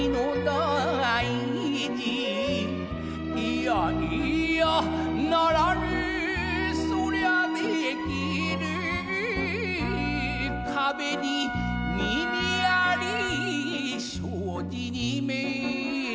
「いやいやならぬそらできぬ」「壁に耳あり障子に目」